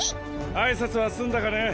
挨拶は済んだかね？